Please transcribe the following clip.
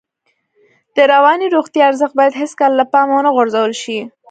د رواني روغتیا ارزښت باید هېڅکله له پامه ونه غورځول شي.